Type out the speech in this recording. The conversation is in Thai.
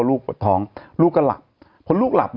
ลูกปวดท้องลูกก็หลับพอลูกหลับ